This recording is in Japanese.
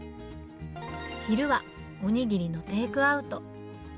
昼はお握りのテイクアウト。